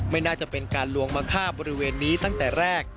ไม่น่าจะเป็นการลวงมาฆ่าบริเวณนี้ตั้งแต่แรก